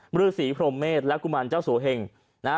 มรือสีพรหมเมษและกุมารเจ้าสวเหงนะฮะ